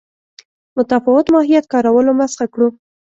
متفاوت ماهیت کارولو مسخه کړو.